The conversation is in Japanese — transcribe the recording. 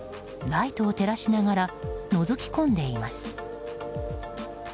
ライトを照らしながらのぞき込んでいます。